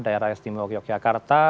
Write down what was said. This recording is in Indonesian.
daerah sdm yogyakarta